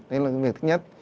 đấy là cái việc thứ nhất